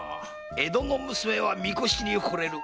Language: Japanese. “江戸の娘は神輿に惚れる。